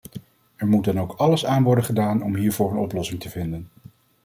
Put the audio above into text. Er moet dan ook alles aan worden gedaan om hiervoor een oplossing te vinden.